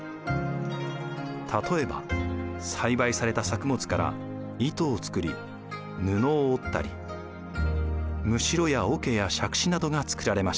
例えば栽培された作物から糸を作り布を織ったりむしろやおけやしゃくしなどが作られました。